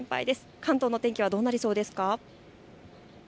関東の天気はどうなりそうですか。